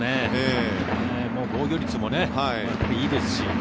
防御率もいいですし。